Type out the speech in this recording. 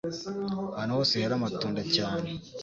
Ahantu hose hera amatunda cyane,